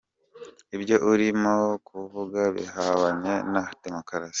Ibyo urimo kuvuga bihabanye na demokarasi.